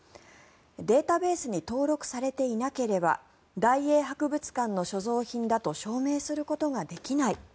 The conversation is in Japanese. データベースに登録されていなければ大英博物館の所蔵品だと証明することができない。